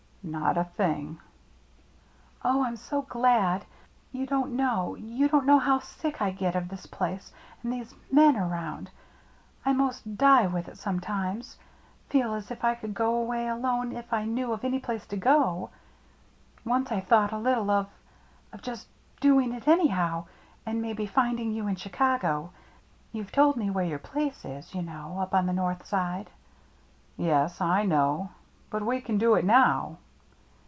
" Not a thing." " Oh, I'm so glad. You don't know — you don't know how sick I get of this place, and these men around. I most die with it some times — feel as if I could go away alone if I knew of any place to go. Once I thought a little of — of just doing it anyhow, and maybe THE CIRCLE MARK iii finding you in Chicago. You've told me where your plaee is, you know, up on the north side. " Yes, I know, but we can do it now.